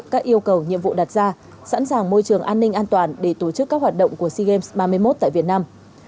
các yêu cầu nhiệm vụ đặt ra sẵn sàng môi trường an ninh an toàn để tổ chức các hoạt động của sea games ba mươi một tại việt nam